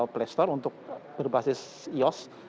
playstore untuk berbasis ios